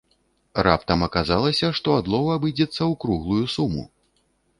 Раптам аказалася, што адлоў абыдзецца ў круглую суму!